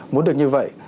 muốn được như vậy